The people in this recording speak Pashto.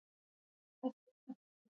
ژبه د انسان فکري جهان پراخوي.